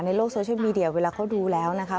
ในโลกโซเชียลมีเดียเวลาเขาดูแล้วนะคะ